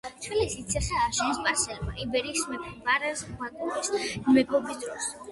თბილისის ციხე ააშენეს სპარსელებმა იბერიის მეფე ვარაზ-ბაკურის მეფობის დროს.